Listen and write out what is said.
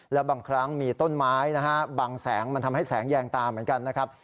แล้วบางครั้งมีต้นไม้นะฮะบางแสงมันทำให้แสงแยงตาเหมือนกันนะครับ